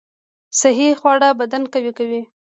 صحي خواړه بدن قوي کوي